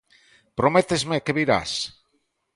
_¿Prométesme que virás?